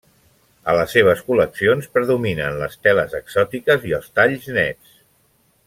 A les seves col·leccions predominen les teles exòtiques i els talls nets.